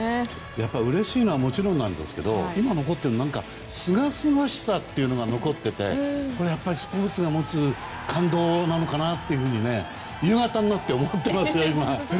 やっぱりうれしいのはもちろんなんですけど今すがすがしさというのが残っていてスポーツが持つ感動なのかなと夕方になって思ってます。